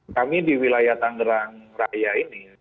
kami di wilayah tangerang raya ini